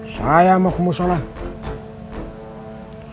saya mau kemusyolah